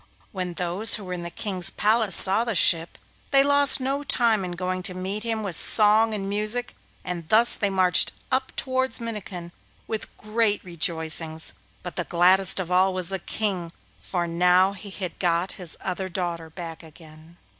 When those who were in the King's palace saw the ship, they lost no time in going to meet him with song and music, and thus they marched up towards Minnikin with great rejoicings; but the gladdest of all was the King, for now he had got his other daughter back again.